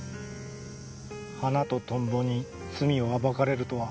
花とトンボに罪を暴かれるとは。